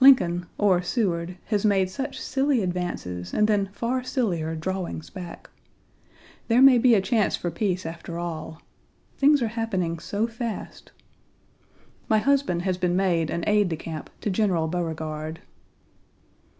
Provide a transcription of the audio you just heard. Lincoln, or Seward, has made such silly advances and then far sillier drawings back. There may be a Page 34 chance for peace after all. Things are happening so fast. My husband has been made an aide de camp to General Beauregard.